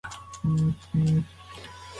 ورکول سوی زوی د نږدې اړیکو لپاره اهمیت لري.